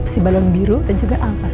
si balon biru dan juga ampas